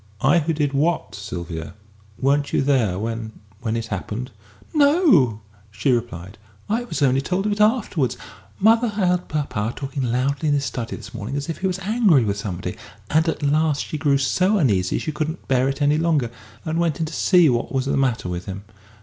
"I who did what, Sylvia? Weren't you there when when it happened?" "No," she replied. "I was only told of it afterwards. Mother heard papa talking loudly in his study this morning, as if he was angry with somebody, and at last she grew so uneasy she couldn't bear it any longer, and went in to see what was the matter with him.